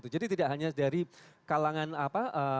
jadi tidak hanya dari kalangan apa